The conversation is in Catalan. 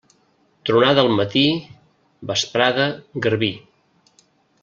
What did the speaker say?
Tronada al matí, vesprada, garbí.